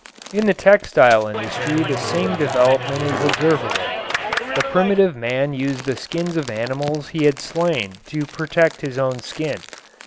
In the textile industry the same development is observable. The primitive man used the skins of animals he had slain to protect his own skin.